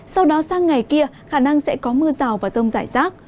sau đó sang ngày kia khả năng sẽ có mưa rào và rông rải rác